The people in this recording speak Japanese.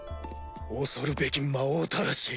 恐るべき魔王たらし。